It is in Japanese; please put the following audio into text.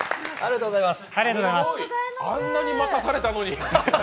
あんなに待たされたのに。